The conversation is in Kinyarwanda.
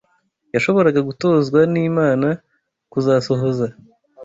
yashoboraga gutozwa n’Imana kuzasohoza